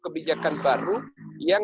kebijakan baru yang